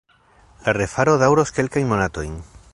La refaro daŭros kelkajn monatojn.